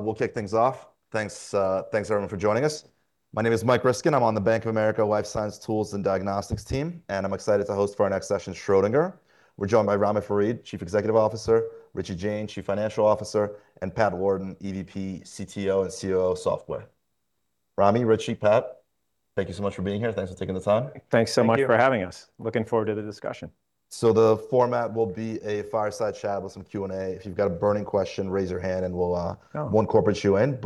We'll kick things off. Thanks, thanks, everyone, for joining us. My name is Michael Ryskin. I'm on the Bank of America Life Science Tools and Diagnostics team, and I'm excited to host our next session, Schrödinger. We're joined by Ramy Farid, Chief Executive Officer; Richie Jain, Chief Financial Officer; and Patrick Lorton, EVP, CTO, and COO of Software. Ramy, Richie, and Patrick, thank you so much for being here. Thanks for taking the time. Thank you. Thanks so much for having us. Looking forward to the discussion. The format will be a fireside chat with some Q&A. If you've got a burning question, raise your hand. Oh We'll incorporate you in.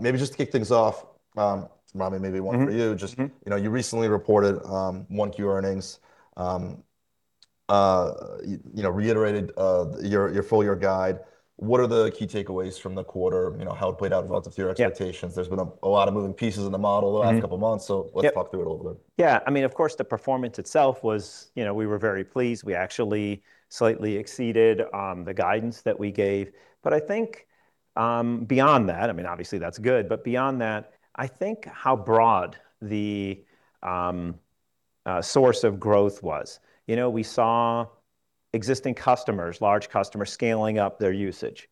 Maybe just to kick things off, Ramy, maybe one for you. Just, you know, you recently reported 1Q earnings and, you know, reiterated your full-year guide. What are the key takeaways from the quarter, you know, how it played out in regard to your expectations? Yeah. There's been a lot of moving pieces in the model. a couple months. Yeah. Let's talk through it a little bit. I mean, of course, the performance itself was, you know, we were very pleased. We actually slightly exceeded the guidance that we gave. I think, beyond that, I mean, obviously that's good, but beyond that, I think how broad the source of growth was. You know, we saw existing customers, large customers, scaling up their usage.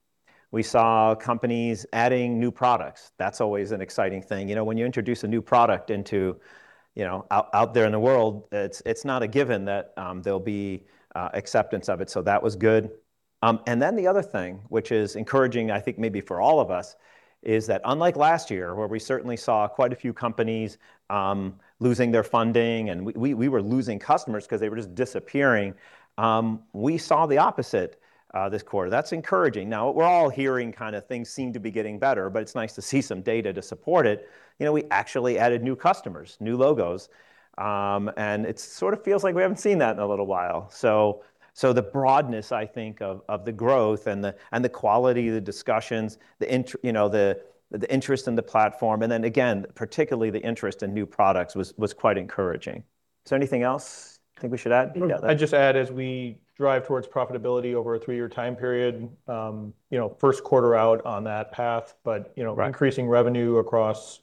We saw companies adding new products. That's always an exciting thing. You know, when you introduce a new product into, you know, out there in the world, it's not a given that there'll be acceptance of it. That was good. The other thing which is encouraging, I think maybe for all of us, is that unlike last year, where we certainly saw quite a few companies losing their funding, and we were losing customers 'cause they were just disappearing, we saw the opposite this quarter. That's encouraging. Now, we're all hearing kinda things seem to be getting better, but it's nice to see some data to support it. You know, we actually added new customers, new logos, it sort of feels like we haven't seen that in a little while. The broadness, I think, of the growth and the quality of the discussions; the interest, you know, the interest in the platform; and then again, particularly the interest in new products was quite encouraging. Is there anything else you think we should add? I'd just add, as we drive towards profitability over a three-year time period, you know, first quarter out on that path. Right Increasing revenue across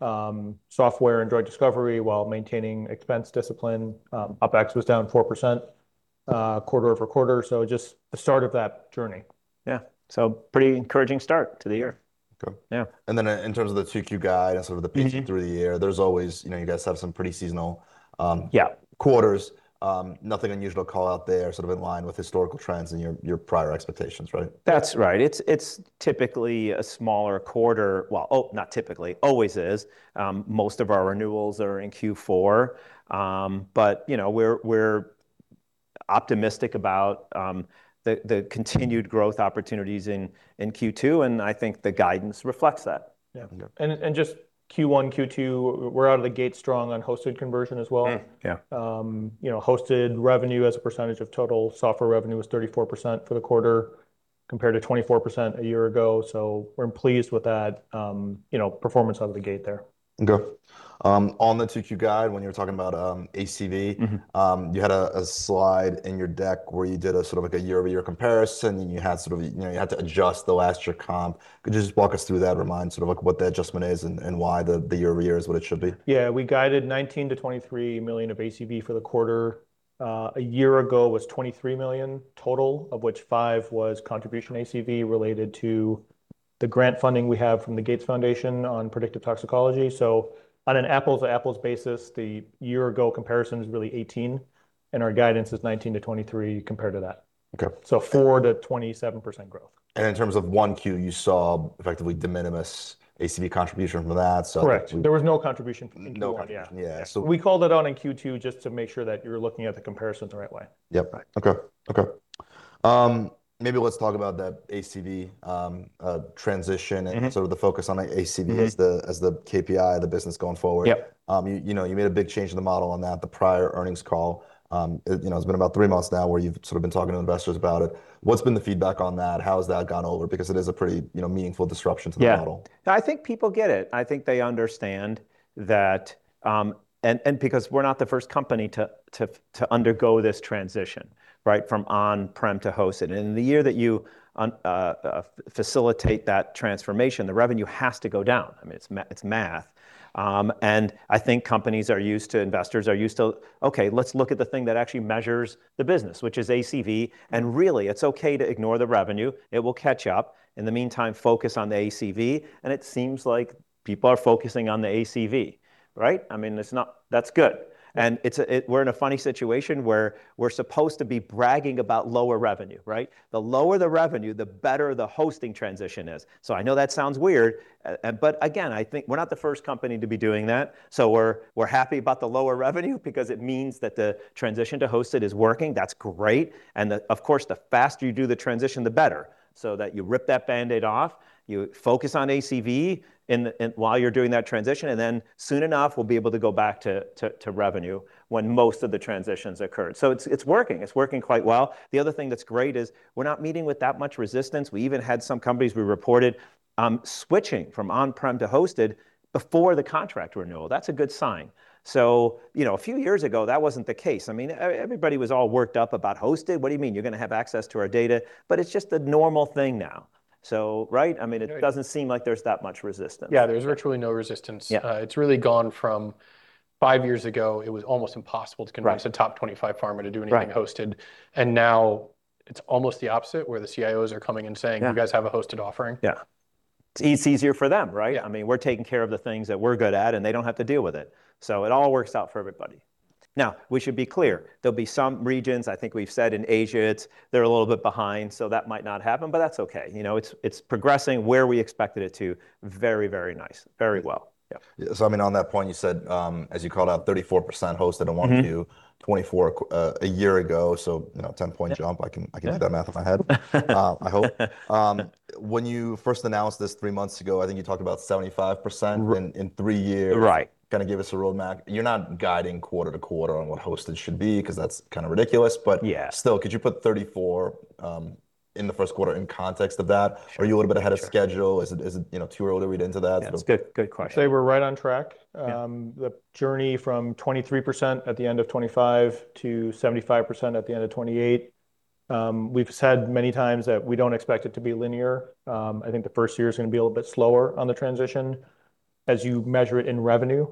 software and drug discovery while maintaining expense discipline. OpEx was down 4% quarter-over-quarter, so just the start of that journey. Yeah. It was a pretty encouraging start to the year. Okay. Yeah. Then in terms of the 2Q guide and sort of the pacing through the year, there's always, you know, some pretty seasonal- Yeah quarters. Nothing unusual call-out there, sort of in line with historical trends in your prior expectations, right? That's right. It's typically a smaller quarter. Well, oh, not typically, always. Most of our renewals are in Q4, but, you know, we're optimistic about the continued growth opportunities in Q2, and I think the guidance reflects that. Yeah. Yeah. Just Q1, Q2, we're out of the gate strong on hosted conversion as well. Yeah. You know, hosted revenue as a percentage of total software revenue was 34% for the quarter compared to 24% a year ago. We're pleased with that, you know, performance out of the gate there. Okay. on the 2Q guide, when you were talking about ACV. You had a slide in your deck where you did a sort of like a year-over-year comparison, and you had sort of, you know, adjust the last year's comp. Could you just walk us through that, remind sort of like what the adjustment is and why the year-over-year is what it should be? We guided $19 million-$23 million of ACV for the quarter. A year ago was $23 million total, of which five was a contribution ACV related to the grant funding we have from the Gates Foundation on predictive toxicology. On an apples-to-apples basis, the year-ago comparison is really $18 million, and our guidance is $19 million-$23 million compared to that. Okay. 4%-27% growth. In terms of 1Q, you saw effectively de minimis ACV contribution from that. Correct. There was no contribution from Q1. No contribution. Yeah. Yeah. We called it out in Q2 just to make sure that you're looking at the comparisons the right way. Yep. Right. Okay. Okay. Maybe let's talk about that ACV transition, sort of the focus on the ACV as the KPI of the business going forward. Yep. You know, you made a big change to the model on that, the prior earnings call. You know, it's been about three months now where you've sort of been talking to investors about it. What's been the feedback on that? How has that gone over? Because it is a pretty, you know, meaningful disruption to the model. Yeah. No, I think people get it. I think they understand that, because we're not the first company to undergo this transition, right? From on-prem to hosted. In the year that you facilitate that transformation, the revenue has to go down. I mean, it's math. I think companies are used to it; investors are used to, Okay, let's look at the thing that actually measures the business, which is ACV, and really, it's okay to ignore the revenue. It will catch up. In the meantime, focus on the ACV, and it seems like people are focusing on the ACV, right? I mean, that's good, and we're in a funny situation where we're supposed to be bragging about lower revenue, right? The lower the revenue, the better the hosting transition is. I know that sounds weird, but again, I think we're not the first company to be doing that, so we're happy about the lower revenue because it means that the transition to hosted is working. That's great, of course, the faster you do the transition, the better, so that you rip that Band-Aid off, you focus on ACV in the while you're doing that transition, and then soon enough, we'll be able to go back to revenue when most of the transition's occurred. It's working. It's working quite well. The other thing that's great is we're not meeting with that much resistance. We even had some companies, we reported, switching from on-prem to hosted before the contract renewal. That's a good sign. You know, a few years ago, that wasn't the case. I mean, everybody was all worked up about hosted. What do you mean? You're gonna have access to our data? It's just a normal thing now, so, right? I mean, Right It doesn't seem like there's that much resistance. Yeah, there's virtually no resistance. Yeah. It's really gone from five years ago, it was almost impossible. Right A top 25 pharma to do anything hosted. Right. Now it's almost the opposite, where the CIOs are coming and saying. Yeah Do you guys have a hosted offering? Yeah. It's easier for them, right? Yeah. I mean, we're taking care of the things that we're good at, and they don't have to deal with it. It all works out for everybody. We should be clear. There'll be some regions; I think we've said in Asia, they're a little bit behind, so that might not happen, but that's okay. You know, it's progressing where we expected it to, very, very nice. Very well. Yeah. Yeah. I mean, on that point, you said, as you called out, 34% hosted. 24 years ago, you know, a 10-point jump. Yeah. I can do that math in my head. I hope. When you first announced this three months ago, I think you talked about 75% in three years. Right. Kind of gave us a roadmap. You're not guiding quarter-to-quarter on what hosted should be, 'cause that's kind of ridiculous. Yeah Still, could you put 34 in the first quarter in context of that? Sure. Are you a little bit ahead of schedule? Is it, you know, too early to read into that? Yeah, that's a good question. I'd say we're right on track. Yeah. The journey from 23% at the end of 2025 to 75% at the end of 2028—we've said many times that we don't expect it to be linear. I think the first year's gonna be a little bit slower on the transition as you measure it in revenue.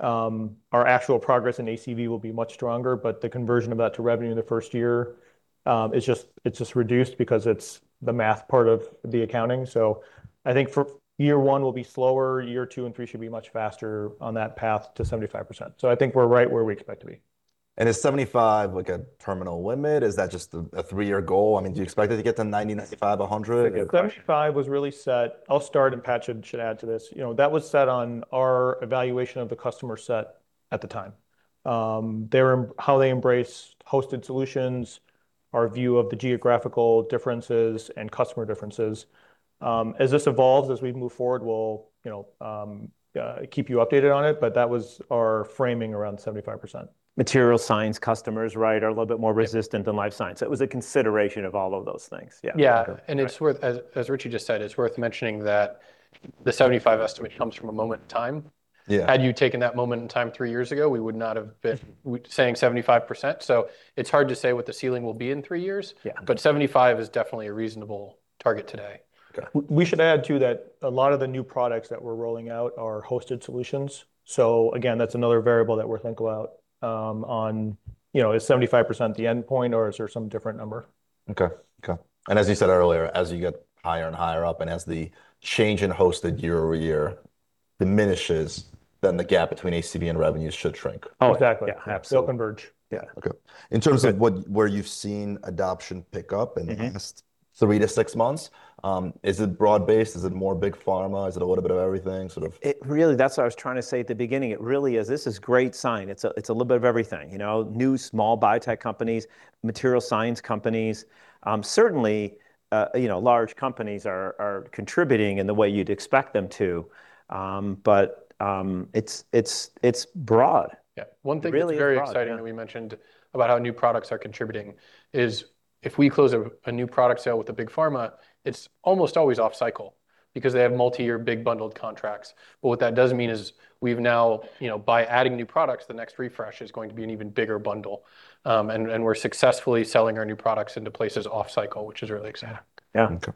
Our actual progress in ACV will be much stronger, but the conversion of that to revenue in the first year is just reduced because it's the math part of the accounting. I think year one will be slower. Years two and three should be much faster on that path to 75%. I think we're right where we expect to be. Is 75 like a terminal limit? Is that just a three-year goal? I mean, do you expect it to get to 90, 95, 100? 75 was really set. I'll start, and Pat should add to this. You know, that was set on our evaluation of the customer set at the time. They're how they embrace hosted solutions, our view of the geographical differences, and customer differences. As this evolves, as we move forward, we'll, you know, keep you updated on it; that was our framing around 75%. Material science customers, right, are a little bit more- Yeah resistant than life science. It was a consideration of all of those things. Yeah. Yeah. Okay. It's worth, as Richie just said, it's worth mentioning that the 75 estimate comes from a moment in time. Yeah. Had you taken that moment in time three years ago, we would not have been saying 75%. It's hard to say what the ceiling will be in three years. Yeah. 75 is definitely a reasonable target today. Okay. We should add, too, that a lot of the new products that we're rolling out are hosted solutions. Again, that's another variable that we're thinking about, you know. Is 75% the endpoint, or is there some different number? Okay. Okay. As you said earlier, as you get higher and higher up, and as the change in hosted year-over-year diminishes, then the gap between ACV and revenues should shrink. Oh. Exactly. Yeah, absolutely. They'll converge. Yeah. Okay. Good What have you seen adoption pick up in. The past three to six months, is it broad-based? Is it more big pharma? Is it a little bit of everything, sort of? It really is; that's what I was trying to say at the beginning. It really is. This is a great sign. It's a little bit of everything. You know, new small biotech companies, material science companies. Certainly, you know, large companies are contributing in the way you'd expect them to. It's broad. Yeah. Really broad, yeah. One thing that's very exciting that we mentioned about how new products are contributing is if we close a new product sale with big pharma, it's almost always off-cycle because they have multi-year big bundled contracts. What that does mean is we've now, you know, by adding new products, the next refresh is going to be an even bigger bundle. And we're successfully selling our new products into places off cycle, which is really exciting. Yeah. Okay.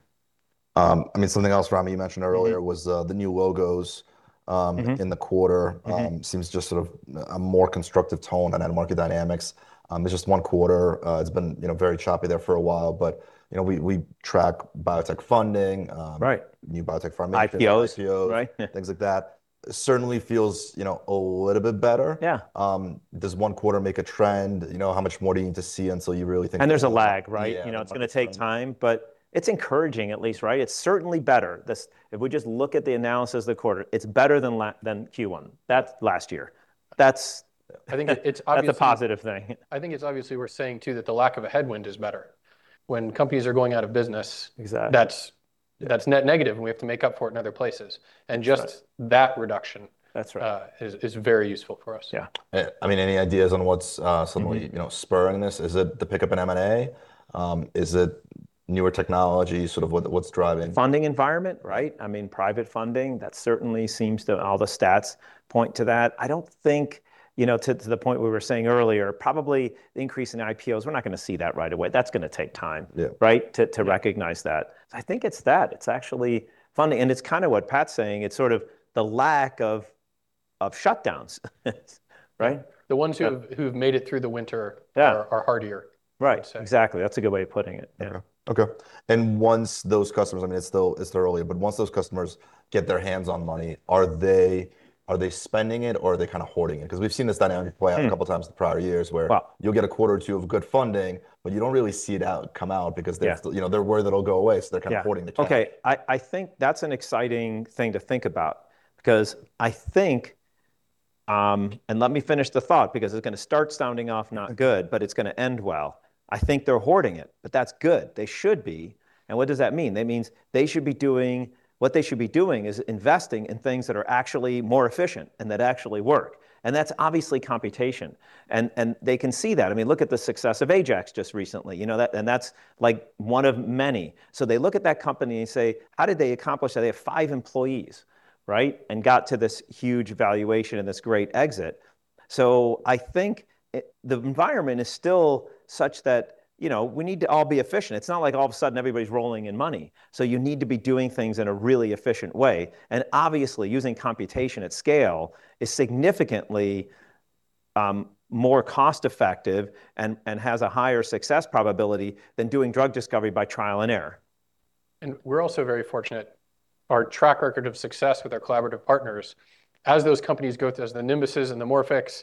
I mean, something else, Ramy, that you mentioned earlier was the new logos, in the quarter. Seems just sort of a more constructive tone on end market dynamics. It's just one quarter. It's been, you know, very choppy there for a while, but you know, we track biotech funding. Right New biotech funding. IPOs IPOs. Right. Things like that. Certainly feels, you know, a little bit better. Yeah. Does one quarter make a trend? You know, how much more do you need to see? There's a lag, right? Yeah. You know, it's gonna take time, but it's encouraging at least, right? It's certainly better. If we just look at the analysis of the quarter, it's better than Q1. That's last year. I think it is. That's a positive thing. I think it's obviously worth saying, too, that the lack of a headwind is better. Exactly That's— Yeah That's net negative, and we have to make up for it in other places. Right That reduction- That's right. is very useful for us. Yeah. I mean, any ideas on what's you know, spurring this? Is it the pickup in M&A? Is it newer technology? Sort of what's driving this? Funding environment, right? I mean, private funding, that certainly seems to. All the stats point to that. I don't think, you know, to the point we were saying earlier, probably the increase in IPOs, we're not gonna see that right away. That's gonna take time. Yeah. Right? To recognize that. I think it's that. It's actually funding. It's kind of what Pat's saying. It's sort of the lack of shutdowns, right? The ones who have- Yeah who have made it through the winter Yeah are heartier. Right. I'd say. Exactly. That's a good way of putting it, yeah. Okay. Okay. Once those customers, I mean, it's still early, but once those customers get their hands on money, are they spending it or are they kind of hoarding it? Because we've seen this dynamic play out. A couple times in prior years where you'll get a quarter or two of good funding, but you don't really see it come out. Yeah Still, you know, they're worried it'll go away. Yeah hoarding the cash. Okay. I think that's an exciting thing to think about because I think, and let me finish the thought because it's gonna start sounding off not good, but it's gonna end well. I think they're hoarding it, but that's good. They should be. What does that mean? That means they should be doing what they should be doing: investing in things that are actually more efficient and that actually work, and that's obviously computation. They can see that. I mean, look at the success of Ajax just recently, you know, that, and that's like one of many. They look at that company and say, How did they accomplish that? They have five employees, right? And got to this huge valuation and this great exit. I think it, the environment, is still such that, you know, we need to all be efficient. It's not like all of a sudden everybody's rolling in money. You need to be doing things in a really efficient way, and obviously using computation at scale is significantly more cost-effective and has a higher success probability than doing drug discovery by trial and error. We're also very fortunate; our track record of success with our collaborative partners, as those companies go, as the Nimbus and the Morphic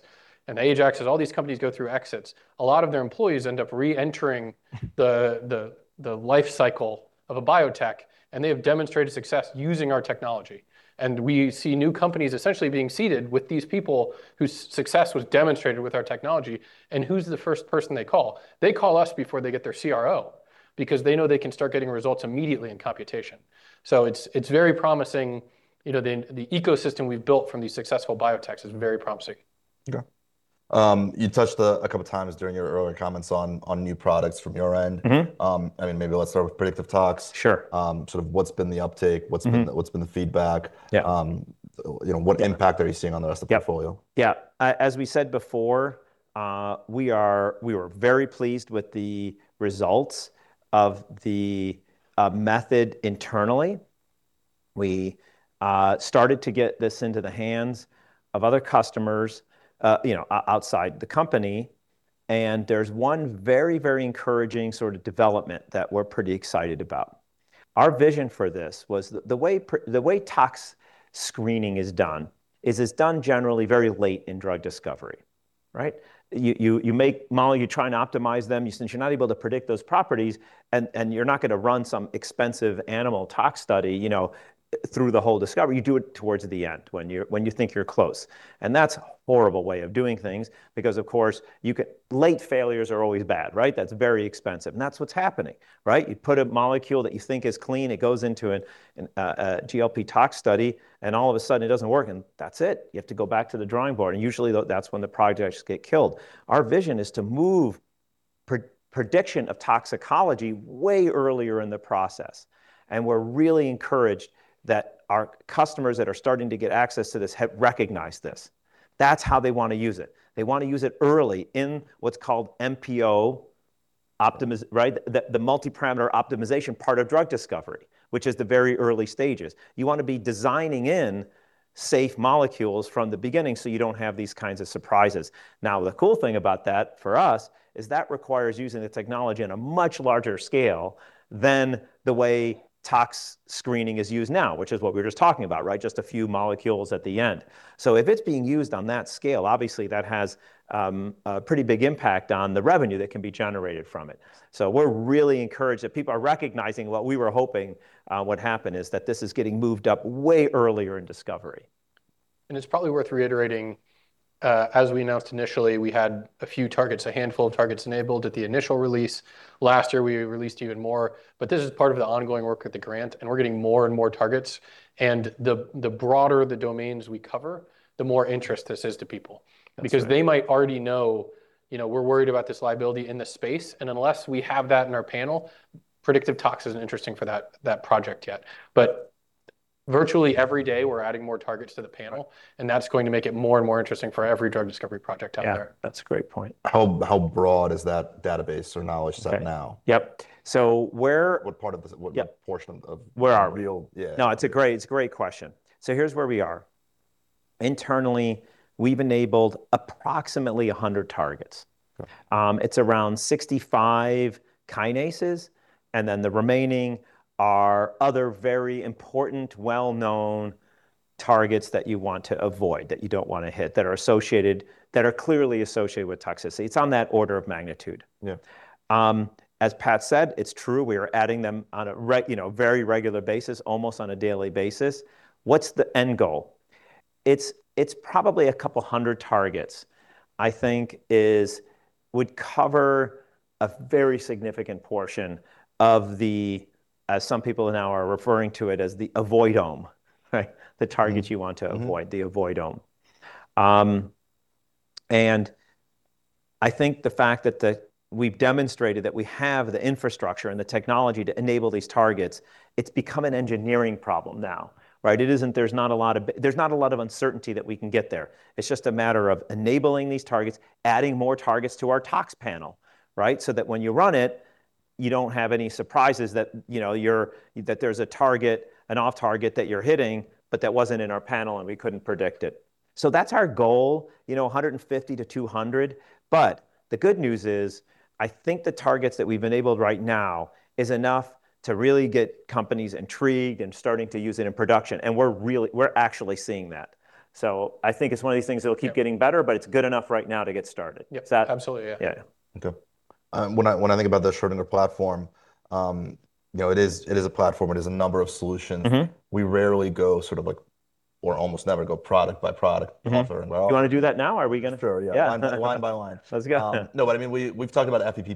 and the Ajax, all these companies go through exits, a lot of their employees end up re-entering the life cycle of a biotech, and they have demonstrated success using our technology. Who's the first person they call? They call us before they get their CRO because they know they can start getting results immediately in computation. It's very promising, you know, the ecosystem we've built from these successful biotechs is very promising. Okay. You touched a couple times during your earlier comments on new products from your end. I mean, maybe let's start with predictive toxicology. Sure. Sort of, what's been the uptake? What's been the feedback? Yeah. You know, what impact are you seeing on the rest of the portfolio? Yeah, yeah. As we said before, we were very pleased with the results of the method internally. We started to get this into the hands of other customers, you know, outside the company, and there's one very, very encouraging sort of development that we're pretty excited about. Our vision for this was the way toxicology screening is done is it's done generally very late in drug discovery, right? You make molecules, and you're trying to optimize them since you're not able to predict those properties and you're not gonna run some expensive animal tox study, you know, through the whole discovery. You do it towards the end when you think you're close. That's a horrible way of doing things because, of course, you could be late. Failures are always bad, right? That's very expensive. That's what's happening, right? You put a molecule that you think is clean into a GLP tox study, and all of a sudden it doesn't work, and that's it. You have to go back to the drawing board. Usually that's when the projects get killed. Our vision is to move prediction of toxicology way earlier in the process, and we're really encouraged that our customers that are starting to get access to this have recognized this. That's how they want to use it. They want to use it early in what's called MPO, right? The multi-parameter optimization part of drug discovery, which is the very early stages. You want to be designing safe molecules from the beginning; you don't have these kinds of surprises. The cool thing about that for us is that requires using the technology in a much larger scale than the way tox screening is used now, which is what we were just talking about, right? Just a few molecules at the end. If it's being used on that scale, obviously that has a pretty big impact on the revenue that can be generated from it. We're really encouraged that people are recognizing what we were hoping would happen, is that this is getting moved up way earlier in discovery. It's probably worth reiterating, as we announced initially, we had a few targets, a handful of targets enabled at the initial release. Last year, we released even more, but this is part of the ongoing work with the grant, and we're getting more and more targets. The broader the domains we cover, the more interest this is to people. That's right. They might already know, you know, we're worried about this liability in this space. Unless we have that in our panel, Predictive Toxicology isn't interesting for that project yet. Virtually every day, we're adding more targets to the panel. That's going to make it more and more interesting for every drug discovery project out there. Yeah, that's a great point. How broad is that database or knowledge set now? Okay, yep. What part of this? Yep What portion? Where are we? real, yeah. No, it's a great question. Here's where we are. Internally, we've enabled approximately 100 targets. Okay. It's around 65 kinases, and then the remaining are other very important, well-known targets that you want to avoid, that you don't want to hit, that are associated, and that are clearly associated with toxicity. It's on that order of magnitude. Yeah. As Patrick said, it's true, we are adding them on a you know, very regular basis, almost on a daily basis. What's the end goal? It's probably a couple hundred targets I think is, would cover a very significant portion of the, as some people now are referring to it, avoid-ome, right? The targets you want to avoid. The avoid-ome. I think the fact that we've demonstrated that we have the infrastructure and the technology to enable these targets, it's become an engineering problem now, right? There's not a lot of uncertainty that we can get there. It's just a matter of enabling these targets, adding more targets to our tox panel, right? That when you run it, you don't have any surprises; that, you know, there's a target, an off-target that you're hitting, but that wasn't in our panel, and we couldn't predict it. That's our goal, you know, 150-200. The good news is, I think the targets that we've enabled right now is enough to really get companies intrigued and starting to use it in production; we're actually seeing that. I think it's one of these things that'll keep getting better. Yeah It's good enough right now to get started. Yep. Is that- Absolutely, yeah. Yeah. Okay. When I think about the Schrödinger platform, you know, it is a platform. It is a number of solutions. We rarely go, or almost never go product by product, other. Mm-hmm. Do you want to do that now? Sure, yeah. Yeah. Line by line. Let's go. No, I mean, we've talked about FEP+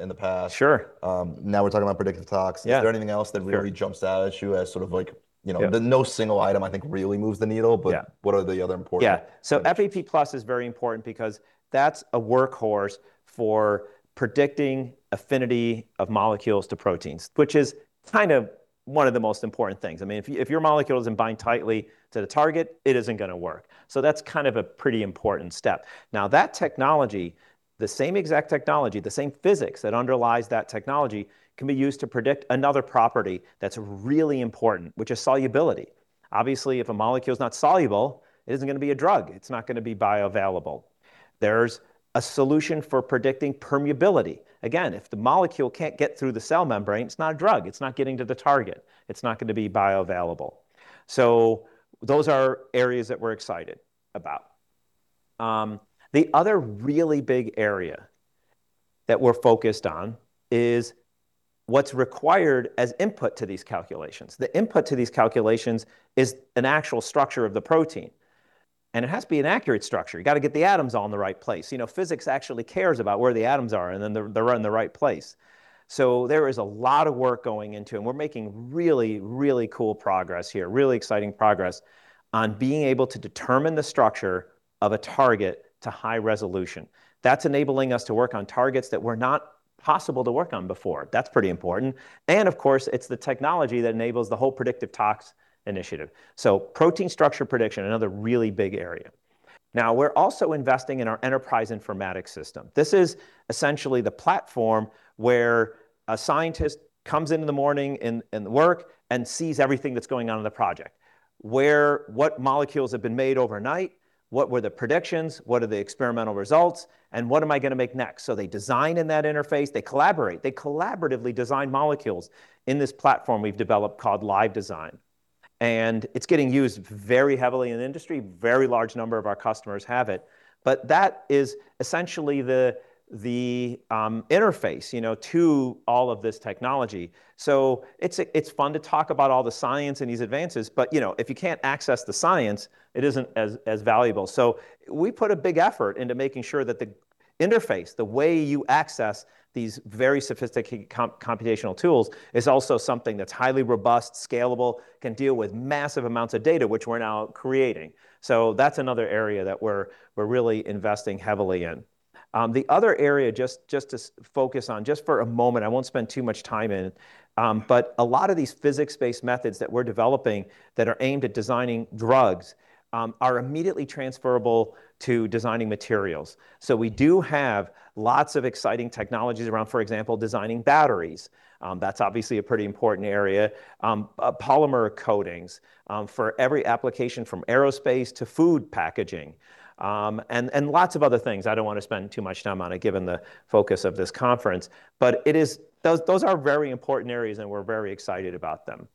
in the past. Sure. Now we're talking about predictive toxicology. Yeah. Is there anything else that really jumps out at you as sort of like, you know? Yeah No single item, I think, really moves the needle. Yeah What are the other important things? Yeah. FEP+ is very important because that's a workhorse for predicting the affinity of molecules to proteins, which is kind of one of the most important things. I mean, if your molecule isn't bind tightly to the target, it isn't gonna work. That's kind of a pretty important step. Now, that technology, the same exact technology, the same physics that underlies that technology, can be used to predict another property that's really important, which is solubility. Obviously, if a molecule is not soluble, it isn't gonna be a drug. It's not gonna be bioavailable. There's a solution for predicting permeability. Again, if the molecule can't get through the cell membrane, it's not a drug. It's not getting to the target. It's not gonna be bioavailable. Those are areas that we're excited about. The other really big area that we're focused on is what's required as input to these calculations. The input to these calculations is an actual structure of the protein, and it has to be an accurate structure. You gotta get the atoms all in the right place. You know, physics actually cares about where the atoms are and that they're in the right place. There is a lot of work going into, and we're making really cool progress here, really exciting progress on being able to determine the structure of a target to high resolution. That's enabling us to work on targets that were not possible to work on before. That's pretty important. Of course, it's the technology that enables the whole predictive toxicology initiative. Protein structure prediction, another really big area. We're also investing in our enterprise informatics system. This is essentially the platform where a scientist comes in the morning and works and sees everything that's going on in the project: what molecules have been made overnight, what the predictions were, what the experimental results, and what I'm going to make next. They design in that interface. They collaborate. They collaboratively design molecules in this platform we've developed called LiveDesign, and it's getting used very heavily in industry. Very large number of our customers have it. That is essentially the interface, you know, to all of this technology. It's fun to talk about all the science and these advances, but, you know, if you can't access the science, it isn't as valuable. We put a big effort into making sure that the interface, the way you access these very computational tools, is also something that's highly robust, scalable, and can deal with massive amounts of data, which we're now creating. That's another area that we're really investing heavily in. The other area, just to focus on just for a moment, I won't spend too much time in, but a lot of these physics-based methods that we're developing that are aimed at designing drugs are immediately transferable to designing materials. We do have lots of exciting technologies around, for example, designing batteries. That's obviously a pretty important area. Polymer coatings, for every application from aerospace to food packaging, and lots of other things. I don't wanna spend too much time on it given the focus of this conference. Those are very important areas, and we're very excited about them. And-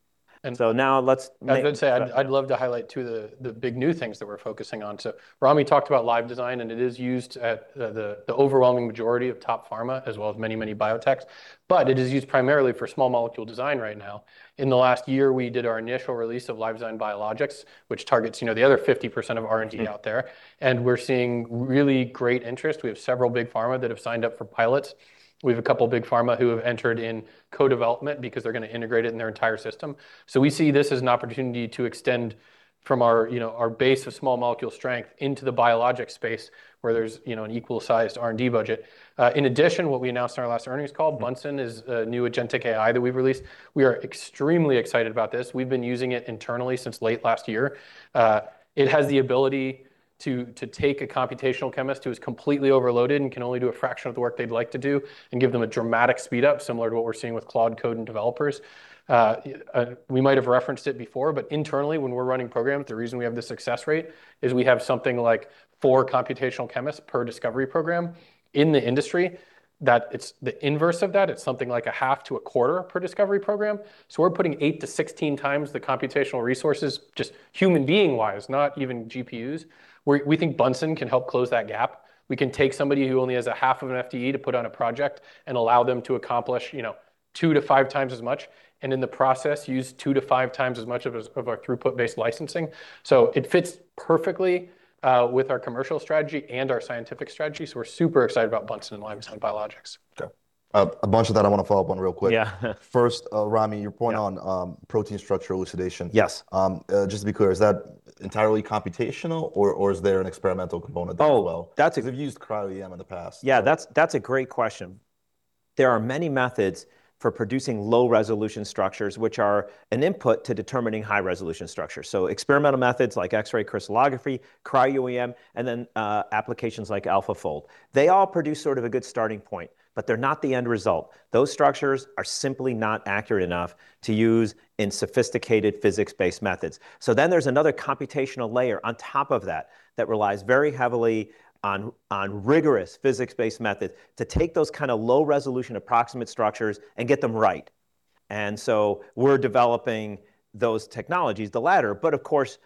Now let's make it. I was gonna say I'd love to highlight two of the big new things that we're focusing on. Ramy talked about LiveDesign, and it is used at the overwhelming majority of top pharma as well as many biotechs. It is used primarily for small molecule design right now. In the last year, we did our initial release of LiveDesign for Biologics, which targets, you know, the other 50% of R&D out there, and we're seeing really great interest. We have several big pharma that have signed up for pilots. We've a couple big pharma who have entered in co-development because they're gonna integrate it in their entire system. We see this as an opportunity to extend from our, you know, our base of small molecule strength into the biologic space where there's, you know, an equal sized R&D budget. In addition, what we announced in our last earnings call, Bunsen, is a new agentic AI that we've released. We are extremely excited about this. We've been using it internally since late last year. It has the ability to take a computational chemist who is completely overloaded and can only do a fraction of the work they'd like to do and give them a dramatic speedup similar to what we're seeing with Claude Code and developers. We might have referenced it before, but internally, when we're running programs, the reason we have the success rate is we have something like four computational chemists per discovery program. In the industry, that it's the inverse of that. It's something like a half to a quarter per discovery program. We're putting 8x-16x the computational resources, just human-wise, not even GPUs. We think Bunsen can help close that gap. We can take somebody who only has a half of an FTE to put on a project and allow them to accomplish, you know, 2 to 5 times as much, and in the process, use 2x- 5x times as much of our throughput-based licensing. It fits perfectly with our commercial strategy and our scientific strategy, so we're super excited about Bunsen and LiveDesign Biologics. Okay. A bunch of that I wanna follow up on real quick. Yeah. First, Ramy, your point on protein structure elucidation. Yes. Just to be clear, is that entirely computational, or is there an experimental component there as well? Oh, that's a- You've used cryo-EM in the past. That's a great question. There are many methods for producing low-resolution structures, which are an input to determining high-resolution structures. Experimental methods like X-ray crystallography, cryo-EM, and applications like AlphaFold, they all produce sort of a good starting point, but they're not the end result. Those structures are simply not accurate enough to use in sophisticated physics-based methods. There's another computational layer on top of that that relies very heavily on rigorous physics-based methods to take those kinda low-resolution approximate structures and get them right. We're developing those technologies, the latter. Of course,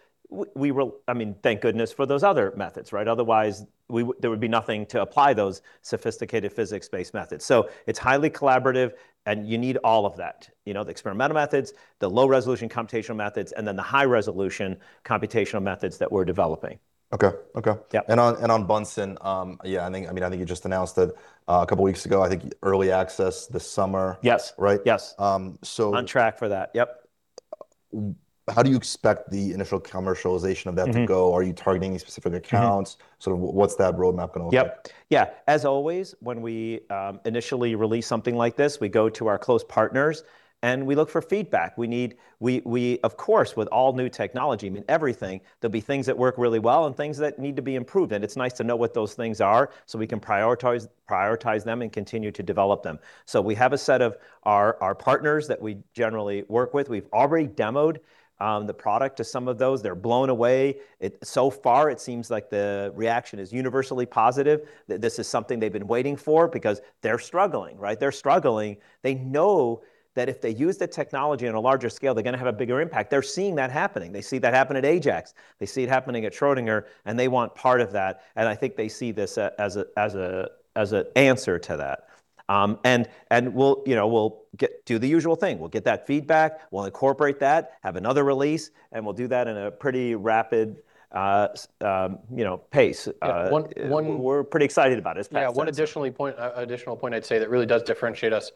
I mean, thank goodness for those other methods, right? Otherwise, there would be nothing to apply those sophisticated physics-based methods. It's highly collaborative, and you need all of that. You know, the experimental methods, the low-resolution computational methods, and then the high-resolution computational methods that we're developing. Okay. Okay. Yeah. On Bunsen, yeah, I think, I mean, I think you just announced that, a couple weeks ago, I think early access this summer. Yes. Right? Yes. On track for that. Yep. How do you expect the initial commercialization of that? to go? Are you targeting any specific accounts? Sort of what's that roadmap gonna look like? Yep. Yeah. As always, when we initially release something like this, we go to our close partners; we look for feedback. We, of course, with all new technology, I mean, everything, there'll be things that work really well and things that need to be improved. It's nice to know what those things are so we can prioritize them and continue to develop them. We have a set of our partners that we generally work with. We've already demoed the product to some of those. They're blown away. It. So far, it seems like the reaction is universally positive, that this is something they've been waiting for because they're struggling, right? They're struggling. They know that if they use the technology on a larger scale, they're gonna have a bigger impact. They're seeing that happening. They see that happen at Ajax. They see it happening at Schrödinger, and they want part of that, and I think they see this as an answer to that. We'll, you know, we'll get do the usual thing. We'll get that feedback. We'll incorporate that, have another release, and we'll do that in a pretty rapid, you know, pace. Yeah. We're pretty excited about it. It's. Yeah. One additional point I'd say that really does differentiate us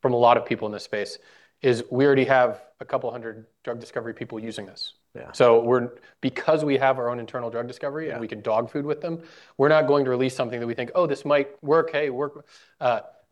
from a lot of people in this space is we already have 200 drug discovery people using this. Yeah. We're because we have our own internal drug discovery. Yeah We can dog food with them, we're not going to release something that we think, "Oh, this might work. Hey, work."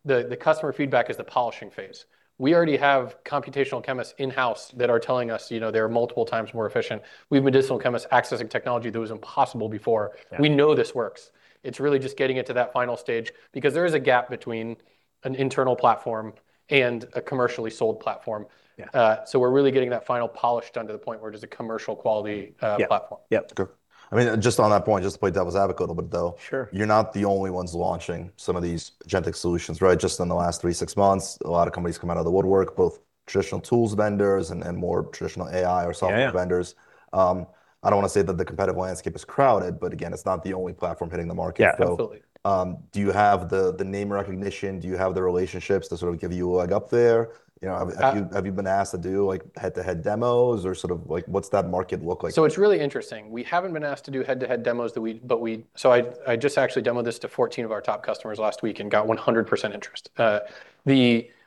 The customer feedback is the polishing phase. We already have computational chemists in-house that are telling us, you know, they're multiple times more efficient. We have medicinal chemists accessing technology that was impossible before. Yeah. We know this works. It is really just getting it to that final stage because there is a gap between an internal platform and a commercially sold platform. Yeah. We're really getting that final polish done to the point where it is a commercial quality platform. Yeah. Yep. Good. I mean, just on that point, just to play devil's advocate a little bit though. Sure. You're not the only ones launching some of these agentic solutions, right? Just in the last 3, 6 months, a lot of companies come out of the woodwork, both traditional tool vendors and more traditional AI or software vendors. Yeah. I don't wanna say that the competitive landscape is crowded, but again, it's not the only platform hitting the market. Yeah, absolutely. Do you have the name recognition? Do you have the relationships to sort of give you a leg up there? You know, have you been asked to do, like, head-to-head demos or sort of like what's that market look like? It's really interesting. We haven't been asked to do head-to-head demos, but we just actually demoed this to 14 of our top customers last week and got 100% interest.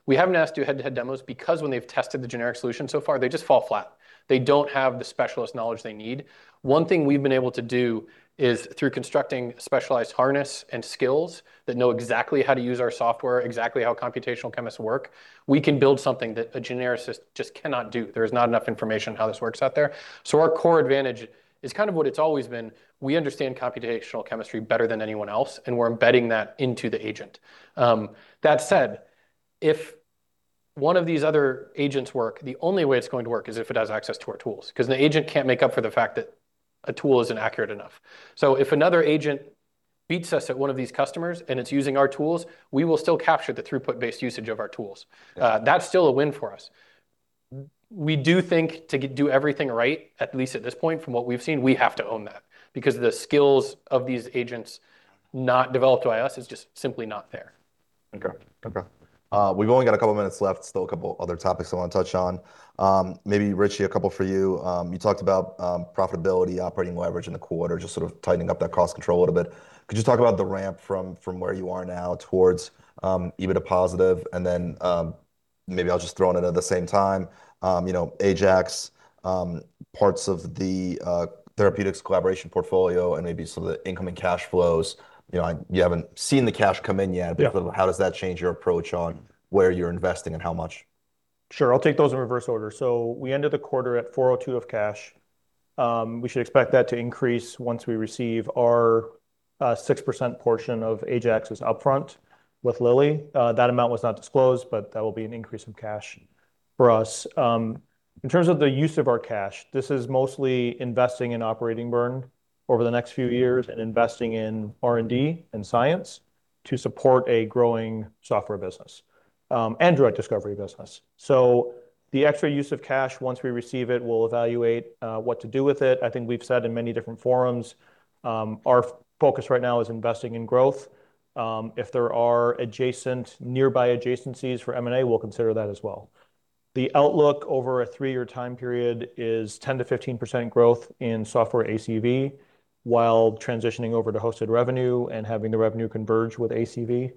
We haven't asked to do head-to-head demos because when they've tested the generic solution so far, they just fall flat. They don't have the specialist knowledge they need. One thing we've been able to do is through constructing specialized harnesses and skills that know exactly how to use our software, exactly how computational chemists work; we can build something that a generalist just cannot do. There's not enough information on how this works out there. Our core advantage is kind of what it's always been. We understand computational chemistry better than anyone else, and we're embedding that into the agent. That said, if one of these other agents works, the only way it's going to work is if it has access to our tools 'cause an agent can't make up for the fact that a tool isn't accurate enough. So if another agent beats us at one of these customers and it's using our tools, we will still capture the throughput-based usage of our tools. Yeah. That's still a win for us. We do think to do everything right, at least at this point from what we've seen, we have to own that because the skills of these agents not developed by us is just simply not there. Okay. Okay. We've only got a couple minutes left. Still a couple other topics I want to touch on. Maybe Richie, a couple for you. You talked about profitability and operating leverage in the quarter, just sort of tightening up that cost control a little bit. Could you talk about the ramp from where you are now towards EBITDA positive, and then maybe I'll just throw in, you know, Ajax, parts of the therapeutics collaboration portfolio, and maybe some of the incoming cash flows. You know, you haven't seen the cash come in yet. Yeah. How does that change your approach on where you're investing and how much? Sure. I'll take those in reverse order. We ended the quarter at $402 in cash. We should expect that to increase once we receive our 6% portion of Ajax's upfront with Lilly. That amount was not disclosed, but that will be an increase of cash for us. In terms of the use of our cash, this is mostly investing in operating burn over the next few years and investing in R&D and science to support a growing software business and drug discovery business. The extra use of cash, once we receive it, we'll evaluate what to do with it. I think we've said in many different forums, our focus right now is investing in growth. If there are adjacent, nearby adjacencies for M&A, we'll consider that as well. The outlook over a three-year time period is 10%-15% growth in software ACV while transitioning over to hosted revenue and having the revenue converge with ACV.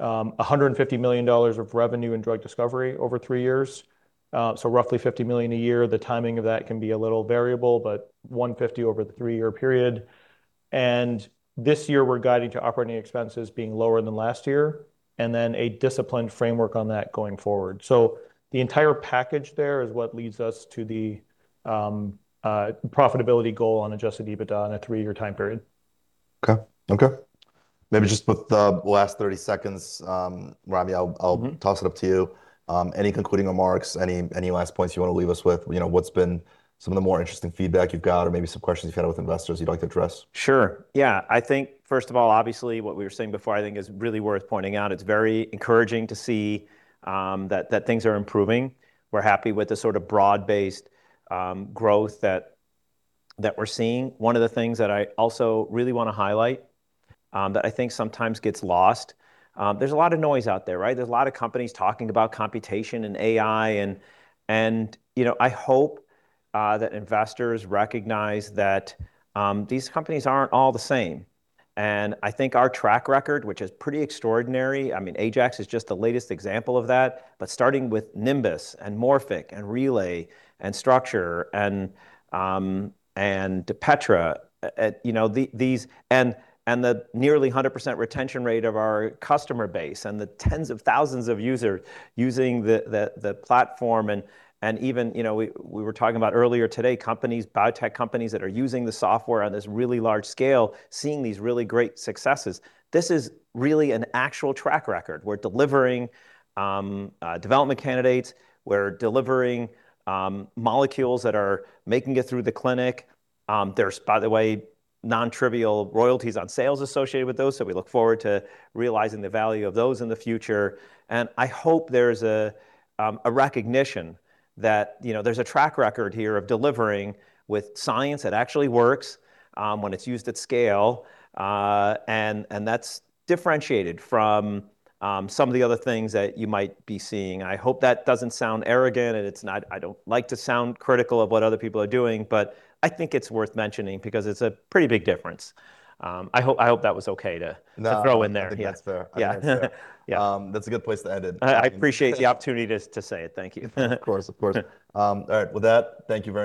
$150 million of revenue in drug discovery over three years, so roughly $50 million a year. The timing of that can be a little variable, but $150 million over the three-year period. This year we're guiding to operating expenses being lower than last year, and then a disciplined framework on that going forward. The entire package there is what leads us to the profitability goal on adjusted EBITDA on a three-year time period. Okay. Okay. Maybe just with the last 30 seconds, Ramy, I'll toss it up to you. Any concluding remarks? Any last points you wanna leave us with? You know, what's been some of the more interesting feedback you've got, or maybe some questions you've had with investors you'd like to address? Sure. Yeah. I think, first of all, obviously, what we were saying before I think is really worth pointing out. It's very encouraging to see that things are improving. We're happy with the sort of broad-based growth that we're seeing. One of the things that I also really wanna highlight, that I think sometimes gets lost, there's a lot of noise out there, right? There's a lot of companies talking about computation and AI, and you know, I hope that investors recognize that these companies aren't all the same. I think our track record, which is pretty extraordinary, I mean, Ajax Therapeutics is just the latest example of that, but starting with Nimbus Therapeutics and Morphic Therapeutic and Relay Therapeutics and Structure Therapeutics and Petra, you know, the nearly 100% retention rate of our customer base and the tens of thousands of user using the platform and even, you know, we were talking about earlier today, companies, biotech companies that are using the software on this really large scale, seeing these really great successes. This is really an actual track record. We're delivering development candidates. We're delivering molecules that are making it through the clinic. There's, by the way, non-trivial royalties on sales associated with those, so we look forward to realizing the value of those in the future. I hope there's a recognition that, you know, there's a track record here of delivering with science that actually works when it's used at scale. That's differentiated from some of the other things that you might be seeing. I hope that doesn't sound arrogant, and it's not I don't like to sound critical of what other people are doing, but I think it's worth mentioning because it's a pretty big difference. I hope that was okay. No to throw in there. I think that's fair. Yeah. I think that's fair. Yeah. That's a good place to end it. I appreciate the opportunity to say it. Thank you. Of course. Of course. All right. With that, thank you very much.